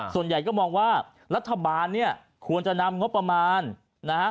ส่วนใหญ่ก็มองว่ารัฐบาลเนี่ยควรจะนำงบประมาณนะฮะ